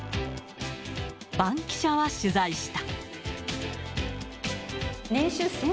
バンキシャは取材した。